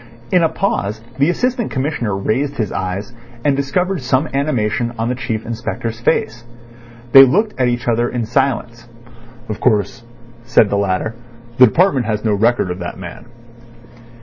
In a pause the Assistant Commissioner raised his eyes, and discovered some animation on the Chief Inspector's face. They looked at each other in silence. "Of course," said the latter, "the department has no record of that man."